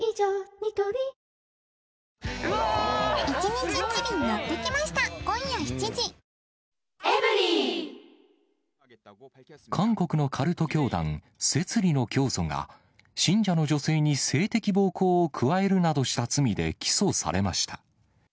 ニトリ韓国のカルト教団、摂理の教祖が、信者の女性に性的暴行を加えるなどした罪で起訴されました。